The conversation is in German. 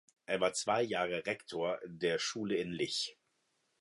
Er war zwei Jahre Rektor der Schule in Lich.